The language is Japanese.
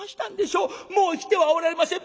もう生きてはおられません。